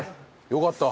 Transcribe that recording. よかった。